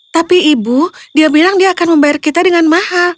tapi ibu dia bilang dia akan membayar kita dengan mahal